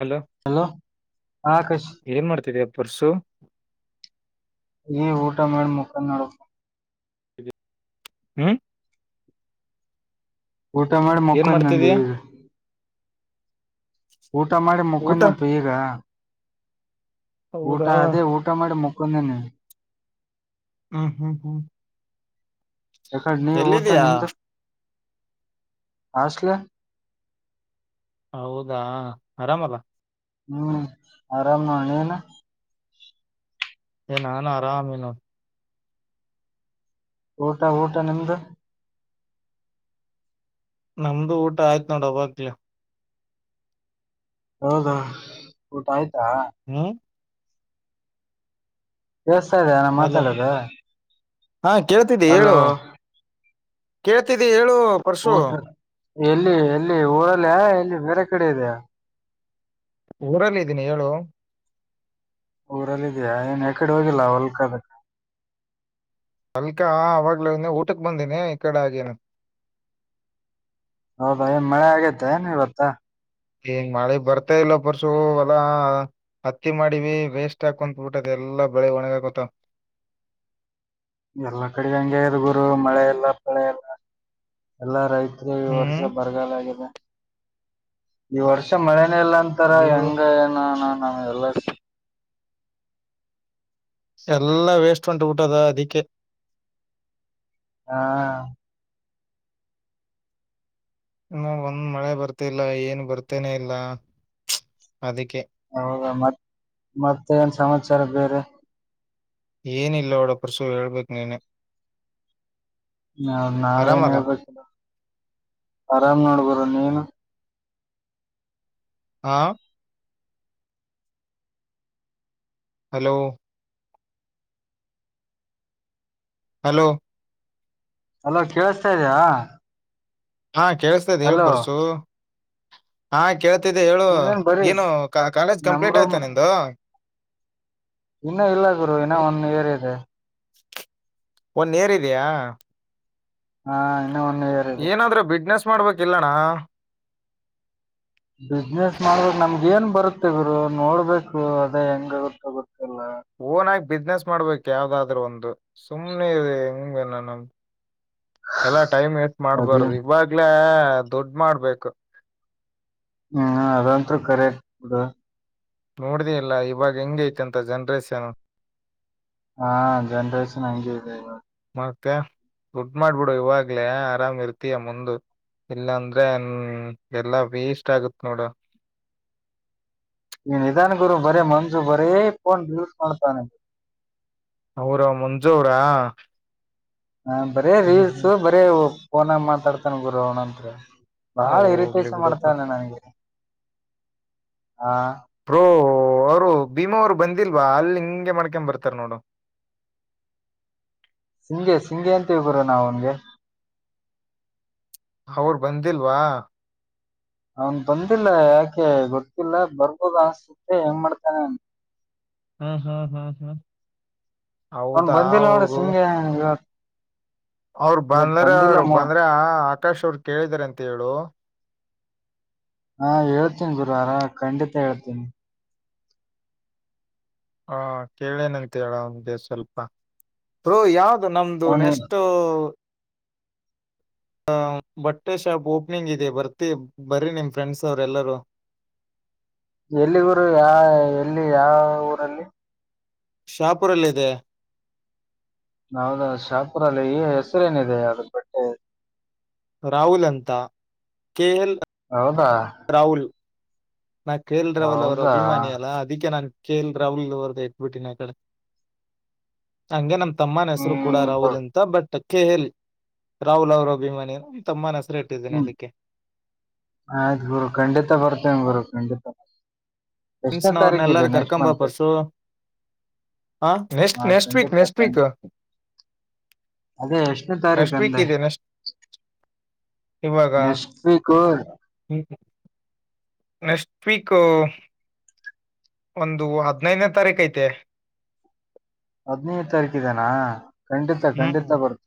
Hello Akash ಏನ್ ಮಾಡ್ತಿದೀಯ ಪರ್ಸು. ಈ ಊಟ ಮಾಡಿ ಮಕ್ಕೊದೇನ್ ನೋಡ್. ಹ್ಮ್. ಊಟ ಮಾಡಿ ಏನ್ ಮಕ್ಕೊಂಡ್ ನಂದ ಮಾಡ್ತಿದೀಯ ಈಗ. ಊಟ ಮಾಡಿ ಊಟ ಮಕ್ಕೊಂಡಿನಪ್ಪ ಈಗ. ಊಟ ಹೌದಾ ಅದೇ ಊಟ ಮಾಡಿ ಮುಕ್ಕೊಂಡಿನಿ. ಹ್ಮ್ ಹ್ಮ್ ಹ್ಮ್ ಎಕಡಿ ನೀ ಊಟ ಎಲ್ಲಿದೀಯಾ ನಿಮ್ದು ಹಾಸ್ಟೆಲ್. ಹೌದಾ ಆರಾಮಲ್ಲ. ಹ್ಮ್ ಆರಾಮ್ ನೋಡ್ ನೀನು. ಏ ನಾನು ಆರಾಮಿನಿ ನೋಡ್. ಊಟ ಊಟ ನಿಮ್ದು. ನಮ್ದು ಊಟ ಆಯ್ತ್ ನೋಡ ಆವಾಗ್ಲೇ. ಹೌದಾ ಊಟ ಆಯ್ತಾ. ಹ್ಮ್ ಕೇಳಿಸ್ತಾ ಇದೀಯ ಹಲೋ ಮಾತಾಡೋದು. ಹಾ ಕೇಳ್ತಿದ್ದಿ ಹಲೋ ಹೇಳು ಕೇಳ್ತಿದ್ದಿ ಹೇಳು ಪರಶು. ಊಟ ಎಲ್ಲಿ, ಎಲ್ಲಿ, ಊರಲ್ಲ! ಎಲ್ಲಿ ಬೇರೆ ಕಡೆ ಇದೆಯ? [inaudible] ಊರಲ್ಲಿ, ಇದ್ದೀನಿ ಹೇಳು? [inaudible] ಊರಲ್ಲ ಇದೀಯಾ! ಏನ್ ಯಾಕಡೆ ಹೋಗಿಲ್ಲ ಹೊಲ್ಕದಕಡೆ? [inaudible] ಅಲ್ಕಾ, ಆವಾಗ್ಲೇ ಊಟಕ್! ಬಂದೇನಿ, ಈ ಕಡೆ, ಅಧುನಿ. [inaudible] ಹೌದ, ಮಳೆ ಆಗೇತ್ತ ಏನು ಇವತ್ತ? [inaudible] ಏನು ಮಳೆ ಬರ್ತಿಲ್ಲ ಪರ್ಸು, ಹೊಲ. [inaudible] ಹತ್ತಿ, ಮಾಡಿವಿ, ವೇಸ್ಟ್, ಹಾಕೊತ್ಬಿಟ್ಟದ ಎಲ್ಲ ಬೆಳೆ, ಒಣಗಕೊತು? [inaudible] ಎಲ್ಲಾ, ಕಡೆ, ಹಂಗೆ, ಅದೇ, ಗುರು ಮಳೆ, ಎಲ್ಲ ಪಳೆ, ಎಲ್ಲ, ಎಲ್ಲ, ರೈತ. [inaudible] ತಿರುಗಾ, ಈ ವರ್ಷ ಹ್ಮ್ ಬರಗಾಲ ಆಗದೇ, ಈ ವರ್ಷ ಮಳೆ? [inaudible] ಮಳೆ ಇಲ್ಲ ಅಂತಾರೆ, ಅಯ್ಯೋ ಹೆಂಗೆ, ಏನು, ಹಾ, ನಾನು. [unintelligible] ಎಲ್ಲಾ, ವೇಸ್ಟ್, ಉಂಟುಬಿಟ್ಟದ, ಅದಿಕ್ಕೆ? [inaudible] ಹಾ. [inaudible] ಹೂ, ಒಂದ್ ಮಳೆ ಬರ್ತಿಲ್ಲ! ಏನ್ ಬರ್ತೇನೆ ಇಲ್ಲ, ಛೂ, ಅದಕ್ಕೆ? [inaudible] ಹೌದಾ, ಮತ್ ಮತ್ತೆ ಏನ್ ಸಮಾಚಾರ ಬೇರೆ? [inaudible] ಏನಿಲ್ಲ, ನೋಡಪಾ ಪರಶು ಹೇಳ್ಬೇಕು ನೀನೆ? [inaudible] ಹ, ನಾವೇನ್ ಆರಾಮಲ್ಲ ಹೇಳ್ಬೇಕ!, ಆರಾಮ್ ನೋಡು, ಬ್ರೋ, ನೀನು? [unintelligible] ಹಾ. [inaudible] ಹಲೋ! [inaudible] ಹಲೋ. [inaudible] ಅಲೋ, ಕೇಳಸ್ತಾ, ಇದಿಯಾ? [inaudible] ಹಾ, ಕೇಳಿಸತಿದೆ! ಹೇಳು, ಪರ್ಸು, ಹಾ. [inaudible] ಕೇಳ್ತಿದ್ದೆ, ಹೇಳು! ನೀನೇನ್ ಬರೀ ಏನು, ಕಾಲೇಜ್ ನಮ್ ಕಂಪ್ಲೀಟ್ ರೂಮ್ ಆಯ್ತಾ, ನಿಂದು? [inaudible] ಇನ್ನ, ಇಲ್ಲ ಗುರು! ಇನ್ನ ಒನ್, ಇಯರ್ ಇದೆ? [inaudible] ಒನ, ಇಯರ್ ಇದೆಯಾ? [inaudible] ಹಾ, ಇನ್ನು, ಒನ್, ಇಯರ್ ಇದೆ? [inaudible] ಮುಟ್ಟು, ನೋಡು, ಮಾಡ್ಬೇಕಿಲ್ಲಣ್ಣ? [inaudible] ಬಿಸ್ನೆಸ್, ಮಾಡಬೇಕ್! ನಮ್ಗೆ, ಏನ್ ಬರುತ್ತೆ ಗುರು, ನೋಡ್ಬೇಕು, ಅದೇ, ಹೆಂಗ, ಆಗುತ್ತ ಗೊತ್ತಿಲ್ಲ? [inaudible] ಓನಾಗಿ ಬಿಸ್ನೆಸ್ ಮಾಡ್ಬೇಕ್! ಯಾವ್ದಾದ್ರೂ ಒಂದು, ಸುಮ್ನೆ, ಹೆಂಗನಾನು? [inaudible] ಎಲ್ಲ, ಟೈಮ್ ವೇಸ್ಟ್, ಅದೇ ಮಾಡಬಾರದು, ಇವಾಗ್ಲೇ? [inaudible] ಹಾ, ದುಡ್, ಮಾಡ್ಬೇಕು? [inaudible] ಹ್ಮ್, ಅಧ್ಯಂತು, ಕರೆಕ್ಟ್, ಬಿಡು. [inaudible] ನೋಡ್ದಿ, ಇಲ್ಲ ಇವಾಗ! ಹೆಂಗ ಐತಿ ಅಂತ ಜನ್ರೇಷನ್? [inaudible] ಹಾ, ಜನರೇಶನ್, ಹಂಗೆ, ಇದೇ, ಇವಾಗ? [inaudible] ಮತ್ತೆ, ದುಡ್ ಮಾಡ್ಬಿಡು! ಇವಾಗ್ಲೆೇ, ಆರಾಮ್ ಇರುತ್ತಿಯ, ಮುಂದು. [inaudible] ಇಲ್ಲಾಂದ್ರೆ, ಹ, ಎಲ್ಲಾ ವೇಸ್ಟ್! ಆಗುತ್ತೆ, ನೋಡು? [inaudible] ನೀ, ಇಧಾನ ಗುರು! ಬರೇ ಮಂಜು ಬಾರಿ, ಫೋನ್, ಮ್ಯೂಟ್, ಮಾಡ್ತಾನೆ? [inaudible] ಅವರ, ಮಂಜು, ಅವರ? [inaudible] ಹ, ಬರೇ ರೀಲ್ಸ್! ಬರೀ ಫೋನ ಮಾತಾಡ್ತಾನ ಗುರು, ಅವನಂತ್ರು? [inaudible] ಹ ಬಾಳ, ಹೋಗ್ಲಿ ಇರಿಟೇಶನ್ ಬಿಡಪ್ಪ ಮಾಡ್ತಾನೆ ನನಗೆ? [inaudible] ಹಾ. [inaudible] ಓ, ಅವರು ಭೀಮಾ ಅವ್ರು ಬಂದಿಲ್ವಾ! ಅಲ್ಲಿ ಹಿಂಗೆ, ಮಾಡಕೊಂಡ, ಬರ್ತಾರ ನೋಡು? [inaudible] [inaudible] [unintelligible] ಸಿಂಗೆ, ಸಿಂಗೆ, ಅಂತಿವಿ, ಗುರು ನಾವ ಅವನ್ಗೆ? [inaudible] ಅವರು, ಬಂದಿಲ್ವಾ! [inaudible] ಅವನ್, ಬಂದಿಲ್ಲ ಯಾಕೆ ಗೊತ್ತಿಲ್ಲ! ಬರ್ಬೋದ ಅನ್ಸ್ಸುತ್ತೆ, ಹೆಂಗ, ಮಾಡ್ತಾನೆ, ಏನ್? [inaudible] ಹ್ಮ್, ಹ್ಮ್, ಹ್ಮ್, ಹ್ಮ್, ಅವ್ನ್ ಹೌದಾ, ಬಂದಿಲ್ಲ ನೋಡು ಅವರು? [inaudible] ಸಿಂಗೆ ಇವತ್ ಅವರು, ಇವತ್ ಬಂದ್ರ, ಬಂದಿಲ್ಲ ಅವರು, ಮೋ ಬಂದ್ರ! ಆಕಾಶ್ ಅವರು, ಕೇಳಿದಾರೆ, ಅಂತ ಹೇಳು? [inaudible] ಹಾ, ಹೇಳ್ತೀನಿ, ಬ್ರೋ! ಅದ್ರಾಗ, ಖಂಡಿತ ಹೇಳ್ತೀನಿ? [inaudible] ಹಾ, ಕೇಳೇನಂತ ಹೇಳು, ಅವನ್ಗೆ, ಸ್ವಲ್ಪ, ಬ್ರೋ ಯಾವಗು? [inaudible] ಅದು, ನಮ್ದು ಅವ್ನು ನೆಕ್ಸ್ಟ್? [inaudible] ಹ ಬಟ್ಟೆ ಶಾಪ್ ಓಪನಿಂಗ್ ಇದೆ ಬರ್ತಿ ಬರಿ ನಿಮ್ ಫ್ರೆಂಡ್ಸ್ ಅವ್ರ ಎಲ್ಲರೂ [inaudible] ಎಲ್ಲಿ ಗುರು ಯಾ ಎಲ್ಲಿ ಯಾವ ಊರಲ್ಲಿ ಶಾಪುರಲ್ಲ್ ಇದೆ ಹೌದ ಶಾಪುರಲ್ಲಿ ಈ ಹೆಸರೇನಿದೆ ಅದ ಬಟ್ಟೆ ರಾಹುಲ್ ಅಂತ ಕೆ ಎಲ್ ಹೌದ್ ರಾಹುಲ್ ನಾನ ಕೆ ಎಲ್ ರಾಹುಲ್ ಅವ್ರು ಹೌದಾ ಅಭಿಮಾನಿ ಅಲ್ಲಾ ಅದಕ್ಕೆ ನಾನ್ ಕೆೇ ಎಲ್ ರಾಹುಲ್ ಅವರ್ದ ಇಟ್ಬಿಟ್ಟಿನ ಆ ಕಡೆ ಹಂಗೆ ನಮ್ ತಮ್ಮನ್ ಹೆಸರು ಕೂಡ ಹ್ಮ್ ರಾಹುಲ್ ಬ- ಅಂತ ಬಟ್ ಕೆ ಎಲ್ ರಾಹುಲ್ ಅವರ ಅಭಿಮಾನಿ ತಮ್ಮನ ಹೆಸ್ ಹ್ಮ್ ಆಯ್ತು ಗುರು ಖಂಡಿತ ಬರ್ತೇನ್ ಗುರು ಖಂಡಿತ ಎಷ್ಟನೇ ನ್ಸನ್ ಅವ್ರನ್ನ ತಾರೀಕಿದೆ ಎಲ್ಲಾರು ನೆಕ್ಸ್ಟ್ ಕರ್ಕಂಬಾ ಮಂತ್ ಪರ್ಸು ಹಾ ವೆ ಹಾ ನೆಕ್ಸ್ಟ್ ವೀಕ್ ಖಂಡಿತ ನೆಸ್ಟ ವೀಕ್ ಖಂಡಿತ. ಅದೇ ಎಷ್ಟನೇ ನೆಕ್ಸ್ಟ್ ವೀಕ್ ತಾರೀಕಂದೆ ಇದೆ ನೆಕ್ಸ್ಟ್ ಇವಾಗ ನೆಷ್ಟ್ ವೀಕು ನೆಕ್ಸ್ಟ್ ವೀಕು ಒಂದು ಹದ್ನೈದ್ನೇ ತಾರೀಕ ಐತೆ ಹದ್ನೈದು ತಾರೀಕು ಇದನಾ ಖಂಡಿತ ಹ್ಮ್ ಖಂಡಿತ ಬರ್ತ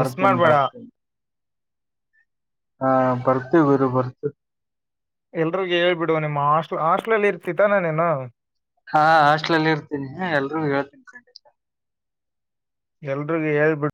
ಮಿಸ್ ಮಾಡ್ಬೇಡ ಬರ್ತನ್ ಹಾ ಬರ್ತೀವಿ ಗುರು ಬರ್ತಿ ಎಲ್ರಿಗೂ ಹೇಳ್ಬಿಡು ನಿಮ್ಮ್ ಹಾಸ್ಟ್ಲ್ ಹಾಸ್ಟ್ಲಲ್ಲಿ ಇರ್ತಿ ತಾನೇ ನೀನು ಹಾ ಹಾಸ್ಟ್ಲ ಅಲ್ಲಿ ಇರ್ತೀನಿ ಎಲ್ರೂ ಹೇಳ್ತೀನಿ ಖಂಡಿತ ಎಲ್ರಿಗೂ ಹೇಳ್ಬಿಡ್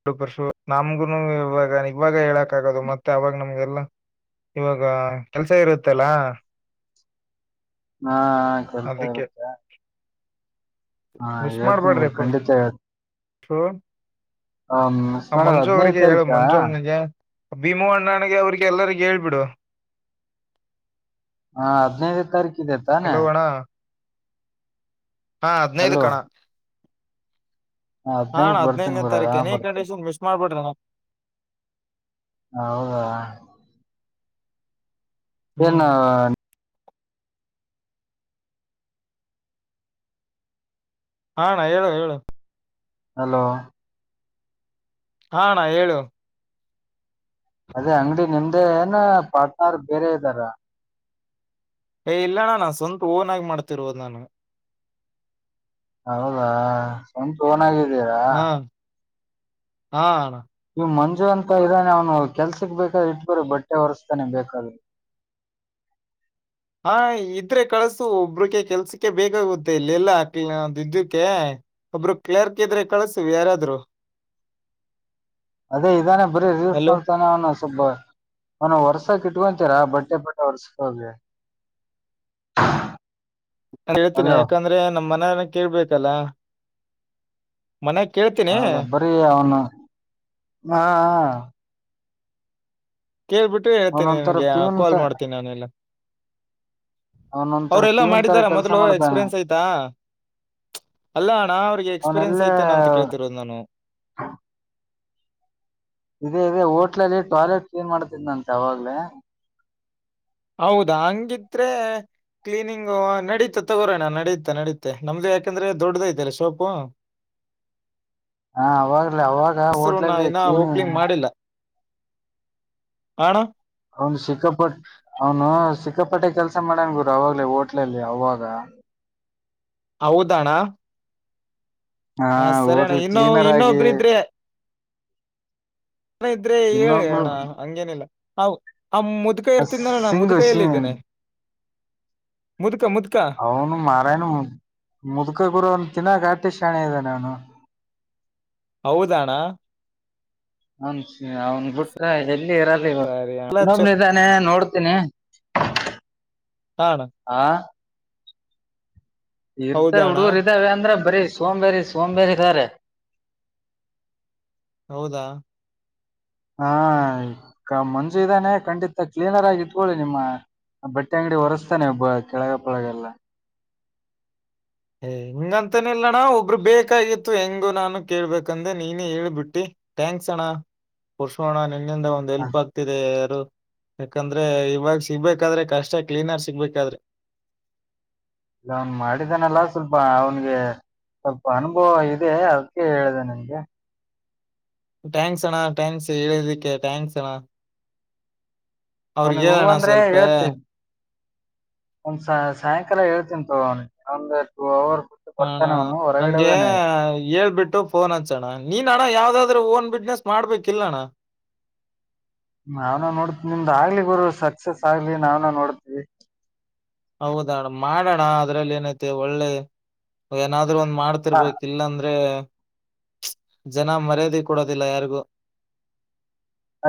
ಎರಡು ಪರ್ಷು ನಮ್ಗುನು ಇವಾಗ ಇವಾಗ ಹೇಳಕ್ ಆಗದು ಮತ್ತೆ ಅವಾಗ ನಮ್ಗೆಲ್ಲ ಇವಾಗ ಕೆಲ್ಸ ಇರುತ್ತಲ್ಲಾ ಹಾ ಹಾ ಕೆಲ್ಸ ಅದಕ್ಕೆ ಇರುತ್ತೆ ಹಾ ಮಿಸ್ ಹೇಳ್ತೀನಿ ಮಾಡ್ಬೇಡ್ರಿ ಗುರು ಖಂಡಿತ ಹೇ ಮಿಸ್ ಆ ಮಾಡೋದು ಮಂಜು ಹದಿನೈದು ಅವ್ರಿಗೆ ಹೇಳು ತಾರೀಕಾ ಮಂಜು ಅಣ್ಣಂಗೆ ಭೀಮೂ ಅಣ್ಣಾನಿಗೆ ಅವ್ರಿಗೆ ಎಲ್ಲರಿಗ ಹೇಳ್ಬಿಡು ಹಾ ಹದ್ನೈದ್ನೇ ತಾರೀಕ ಇದೆ ತಾನೆ ಹಲೋ ಅಣ್ಣ ಹಾ ಹದ್ನೈದು ಅಲ್ವೋ ಕಣಾ ಹಾ ಅಣಾ ಹದಿನೈದಕ್ ಬರ್ತೀನಿ ಹದ್ನೈದ್ನೇ ಗುರು ತಾರೀಕ ಆರಾಮ್ ಎನೀ ಬರ್ತೀನಿ ಕಂಡೀಷನ್ ಮಿಸ್ ಮಾಡ್ಬೇಡ್ರಣಾ ಹೌದಾ ಹ್ಮ್ ಏನು ಹಾ ಅಣಾ ಹೇಳು ಹೇಳು ಹಲೋ ಹಾ ಅಣಾ ಹೇಳು ಅದೇ ಅಂಗಡಿ ನಿಮ್ದೆ ಏನ ಪಾರ್ಟ್ನರ್ ಬೇರೆ ಇದ್ದಾರ ಏ ಇಲ್ಲಣ್ಣ ನಾನು ಸ್ವಂತ್ ಓನ್ ಆಗಿ ಮಾಡ್ತಿರೋದು ನಾನು ಹೌದಾ ಸ್ವಂತ ಓನ್ ಆಗಿದ್ಯಾ ಹಾ ಹಾ ಅಣಾ ಮಂಜು ಅಂತ ಇದ್ದಾನೆ ಅವ್ನು ಕೆಲ್ಸಕ್ ಬೇಕಾದ ಇಟ್ಗೋರೀ ಬಟ್ಟೆ ಒರಸ್ತಾನೆ ಬೇಕಾದ್ರೆ [inaudible] ಹಾ ಇದ್ರೆ ಕಳ್ಸು ಒಬ್ರಿಗೆ ಕೆಲ್ಸಕ್ಕೆ ಬೇಗಾಗುತ್ತೆ ಇಲ್ಲ ಎಲ್ಲಾ ಇದ್ದಿದ್ಕೆ ಒಬ್ರು ಕ್ಲರ್ಕ್ ಇದ್ರೆ ಕಳ್ಸೂ ಯಾರಾದ್ರು ಅದೇ ಇದಾನೆ ಬರೀ ರೀಲ್ಸ್ ಹಲೋ ನೋಡ್ತಾನೆ ಅವನು ಸ್ವಲ್ಪ ಅವನು ವರ್ಸಕ್ಕೆ ಇಟ್ಟ್ ಇಟ್ಕೊಂತೀರಾ ಬಟ್ಟೆ ಬಟ್ಟೆ ಹೊರ್ಸ್ಕೋಗೆ ನಾನ್ ಹೇಳ್ತೇನಿ ಯಾಕಂದ್ರೆ ನಮ್ಮ್ ಮನೆಯರ್ನ ಕೇಳ್ಬೇಕಲ್ಲ ಮನೆ ಕೇಳ್ತೀನಿ ಹೌದಾ ಬರೀ ಅವನು ಹಾ ಹಾ ಕೇಳ್ಬಿಟ್ರೆ ಹೇಳ್ತೀನಿ ಅವನೊಂತರ ನನ್ಗೆ ಪ್ಯೂನ್ ತ ಕಾಲ್ ಮಾಡ್ತೀನಿ ಅವಾನೆಲ್ಲ ಅವನೊಂತರ ಅವರೆಲ್ಲಾ ಪ್ಯೂನ್ ತರ ಮಾಡಿದಾರ ಕೆಲ್ಸ ಮೊದ್ಲು ಮಾಡ್ತಾನೆ ಎಕ್ಸ್ಪೀರಿಯನ್ಸ್ ಆಯ್ತಾ ಅಲ್ಲ ಅಣ್ಣ ಅವ್ರಿಗೆ ಎಕ್ಸ್ಪೀರಿಯೆನ್ಸ್ ಅವನೆಲ್ಲೇ ಐತೆನ ಅಂತ ಕೇಳ್ತಿರೋದು ನಾನು ಇದೇ ಇದೆ ಹೋಟ್ಲಲ್ಲಿ ಟಾಯ್ಲೆಟ್ ಕ್ಲೀನ್ ಮಾಡತನ್ಂತೆ ಯಾವಾಗ್ಲೇ ಹೌದಾ ಹಂಗಿದ್ರೆ ಕ್ಲೀನಿಂಗ್ ನಡೀತಾ ತಗೋರೋಣ ನಡುತ್ತಾ ನಡೀುತ್ತೆ ನಮ್ದು ಯಾಕೆಂದ್ರೆ ದೊಡ್ಡದಐತೆರಿ ಸೋಪು [unintelligible] ಹಾ ಅವಾಗಲ ಅವಾಗ ಹೋಟ್ಲಲ್ಲಿ ಕ್ಲೀನ್ ಹಣ ಅವನು ಸಿಕ್ಕಪಟ್ಟ ಅವನು ಸಿಕ್ಕಾಪಟ್ಟೆ ಕೆಲ್ಸ ಮಾಡನ್ ಗುರು ಅವಾಗಲೇ ಹೋಟ್ಲಲ್ಲಿ ಅವಾಗ ಹೌದಣ ಹಾ ಸರಿಣ್ಣ ಹೋಟ್ಲ್ ಇನ್ನೊ ಕ್ಲೀನರ್ ಆಗಿ ಇನ್ನೊಬ್ರ ಇದ್ರೆ ನನ ಇದ್ರೆ ಹೇಳಿ ಇನ್ನೊಬ್ರು ಅಣ ಹಂಗೇನಿಲ್ಲ ಹಾವು ಆ ಮುದುಕ ಆ ಇರ್ತಿದ್ದನಣ ಸಿಂಗು ಮುದುಕಯ ಎಲ್ಲ ಸಿಂಗ್ ಇದ್ದೇನೆ ಮುದುಕ ಮುದುಕ ಅವನು ಮಾರಾಯಣ ಮು ಮುದ್ಕ ಗುರು ಅವನು ತಿನ್ನಾಗಾಟಿ ಶಣೆ ಇದ್ದಾನೆ ಅವನು ಹೌದಣ್ಣ ಹನ್ಸ ಅವ್ನ್ ಬಿ ಟ್ರ ಇಲ್ಲಿ ಇರದು ಇವತ ಎಲ್ಲ ಚ ಇನ್ನೊಬ್ನ ಇದಾನೆ ನೋಡ್ತೀನಿ ಹಾ ಅಣ್ಣ ಆ ಇರ್ತಾರೆ ಹೌದಣ್ಣ ಹುಡುಗರ್ ಇದಾವೆ ಅಂದ್ರ ಬರಿ ಸೋಮಬೇರಿ ಸೋಮಬೇರಿ ಇದ್ದಾರೆ ಹೌದಾ ಹಾ ಮಂಜು ಇದ್ದಾನೆ ಖಂಡಿತ ಕ್ಲೀನರ್ ಆಗಿ ಇಟ್ಕೊಳ್ಳಿ ನಿಮ್ಮ ಬಟ್ಟೆ ಅಂಗಡಿ ಹೊರೆಸ್ತಾನೆ ಒಬ್ಬ ಕೆಳಗ ಪಳಗೆಲ್ಲ ಹ್ಮ್ [inaudible] ಹಂಗಂತನ ಇಲ್ಲಣ್ಣ ಒಬ್ರು ಬೇಕಾಗಿತ್ತು ಹೆಂಗು ನಾನು ಕೇಳ್ಬೇಕಂದೆ ನೀನೇ ಹೇಳ್ಬಿಟ್ಟಿ ಥಂಕ್ಸ್ ಅ ಪುರ್ಷೋಣ ನಿನ್ನಿಂದ ಒಂದ್ ಎಲ್ಪ್ ಆಗ್ತಿದೆ ಯಾರು ಯಾಕಂದ್ರೆ ಇವಾಗ ಸಿಗ್ಬೇಕಾದ್ರೆ ಕಷ್ಟ ಕ್ಲೀನರ್ ಸಿಗ್ಬೇಕಾದ್ರೆ ಇಲ್ಲ ಅವನ್ ಮಾಡಿದಾನಲ್ಲ ಸ್ವಲ್ಪ ಅವನಿಗೆ ಸ್ವಲ್ಪ ಅನುಭವ ಇದೆ ಅದಕ್ಕೆ ಹೇಳಿದೆ ನಿನ್ಗೆ ಥ್ಯಾಂಕ್ಸ್ ಅಣ್ಣ ಥ್ಯಾಕ್ಸ್ ಎಳಕ್ಕೆ ಥ್ಯಾಂಕ್ಸ್ ಅಣ್ಣ ಅವರಿಗೆ ಅವನಿಗೆ ಹೂ ಹೇಳಣ ಅಂದ್ರೆ ಸ್ವಲ್ಪೇ ಹೇಳ್ತೀನಿ ಒಂದ್ ಸಾಯಂಕಾಲ ಹೇಳ್ತೀನ್ ತೊಗೊ ಅವನಿಗಿ ಒಂದು ಟೂ ಅವರ್ ಬಿಟ್ಟು ಹಣ ಬರ್ತಾನೆ ಅವನು ಹೊರಗಡೆ ನನ್ಗೆ ಹೋಗಾನೆ ಹೇಳ್ಬಿಟ್ಟು ಫೋನ್ ಹಚ್ಚೋಣ ನೀನ್ ಅಣ್ಣ ಯಾವ್ದಾದ್ರು ಓನ್ ಬಿಸ್ನೆಸ್ ಮಾಡ್ಬೇಕಿಲ್ಲ ಅಣ್ಣ ನಾನು ನೋಡ್ತಿ ನಿಮ್ದ್ ಆಗ್ಲಿ ಗುರು ಸಕ್ಸಸ್ ಆಗ್ಲಿ ನಾನು ನೋಡ್ತಿನಿ ಹೌದಾಣ ಮಾಡೋಣ ಅದ್ರಲ್ಲಿ ಏನೈತೆ ಒಳ್ಳೆ ಏನಾದ ಅ್ರ ಒಂದ್ ಹ ಮಾಡ್ತಿರ್ಬೇಕ ಇಲ್ಲಾ ಅಂದ್ರೆ ಜನ ಮರ್ಯಾದೆ ಕೊಡೋದಿಲ್ಲ ಯಾರಿಗೂ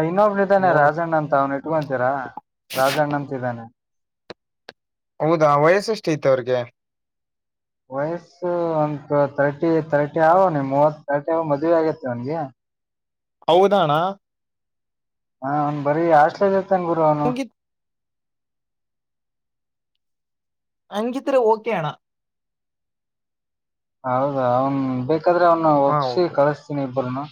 ಇನ್ನೊಬ್ಳ ಇದ್ದಾನೆ ನೋಡು ರಾಜಣ್ಣ ಅಂತ ಅವ್ನು ಇಟ್ಕೊಂತೀರಾ ರಾಜಣ್ಣ ಅಂತ ಇದ್ದಾನೆ ಹೌದಾ ವಯಸ್ಸು ಎಷ್ಟ ಹೈತ್ ಅವ್ರಿಗೆ ವಯಸ್ಸು ಒ ತರ್ಟಿ ತರ್ಟಿ ಅವನಿಗಿ ಮೂವತ್ ತರ್ಟಿ ಮದವಿ ಆಗತಿ ಅವನಿಗಿ ಹೌದಣಾ ಹಾ ಅವ್ನ್ ಬರೀ ಹಾಸ್ಟೇಲ್ ಇರ್ತಾನ ಗುರು ಅವನು ಹಂಗಿತ್ ಅಂಗಿದ್ರೆ ಓಕೆ ಆಣ ಹೌದಾ ಅವನ್ ಬೇಕಾದ್ರೆ ಅವ್ನ ಹಾ ಒಪ್ಸಿ ಓಕೆ ಕಳಸ್ತೀನಿ ಇಬ್ಬರನು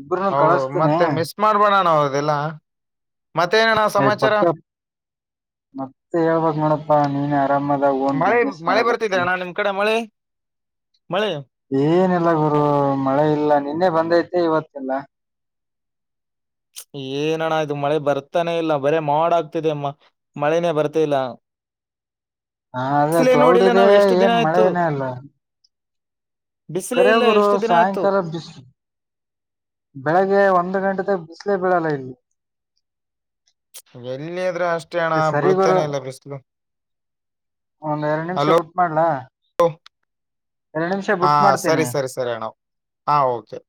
ಇಬ್ರನು ಹೌ ಕಳಿಸ್ತೀನಿ ಮತ್ತೆ ಮಿಸ್ ಮಾಡ್ಬೋಡಣ ಹೌದಿಲ್ಲ ಏ ಸಮಾಚಾರ ಪಕ್ಕ ಮತ್ತೆ ಹೇಳಬೇಕ ನೋಡಪ್ಪಾ ನೀನೆ ಆರಾಮದ ಓನ್ ಬಿಸ್ನೆಸ್ ಮಾಡಕತಿ ಮಳಿ ಏನೆಲ್ಲ ಗುರು ಮಳೆ ಇಲ್ಲ ನಿನ್ನೆ ಬಂದೈತೆ ಇವತ್ತಿಲ್ಲ ಏನಣ ಇದು ಮಳೆ ಬರ್ತಾನೆ ಇಲ್ಲ ಬರೇ ಮಾಡ ಆಗ್ತಿದೆ ಅಮ್ಮ ಮಳೆನೇ ಬರ್ತ ಇಲ್ಲ [unintelligible] ಹಾ ಅದೇ ಬಿಸಿಲೇ ಕ್ಲೌಡ್ ನೋಡಿಲ್ಲ ಇದೆ ನಾವ್ ಎಷ್ಟು ದಿನ ಏನ್ ಆಯ್ತು ಮಳೆನೇ ಇಲ್ಲಾ ಬಿಸಿಲೇ ಇಲ್ಲ ಕರಿಗುರು ಎಷ್ಟು ದಿನ ಆಯ್ತು ಸಾಯಂಕಾಲ ಬಿಸಲು ಬೆಳಿಗ್ಗೆ ಒಂದು ಗಂಟೆತನ ಬಿಸಲು ಬಿಸಿಲೆ ಬೀಳಲ್ಲ ಇಲ್ಲಿ ಎಲ್ಲಿದ್ರೆ ಅಷ್ಟೇ ಅಣ ಏ ಬೀಳುತ್ತಾನೆ ಇಲ್ಲ ಬ್ರಿಸ್ಲು ಒಂದೆರಡು ನಿಮಿಷ ಬುಟ್ ಮಾಡ್ಲಾ ಎರಡ್ ನಿಮಿಷ ಹಾ ಬಿಟ್ ಸರಿ ಮಾಡ್ತೀನಿ. ಸರಿ ಸರಿ ಣ್ಣ ಆ ಓಕೆ